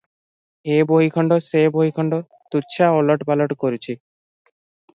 ଏ ବହି ଖଣ୍ଡ ସେ ବହି ଖଣ୍ଡ ତୁଚ୍ଛା ଓଲଟ ପାଲଟ କରୁଛି ।